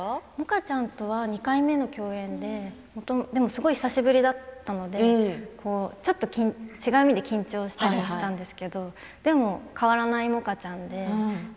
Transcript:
萌歌ちゃんとは２回目の共演ででもすごい久しぶりだったので違う意味で緊張したりしたんですけれどでも変わらない萌歌ちゃんで。